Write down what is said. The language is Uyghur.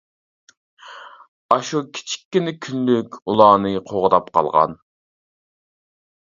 ئاشۇ كىچىككىنە كۈنلۈك ئۇلارنى قوغداپ قالغان.